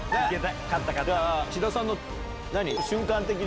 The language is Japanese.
志田さんの何？